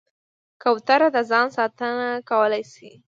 کوتره د ځان ساتنه کولی شي.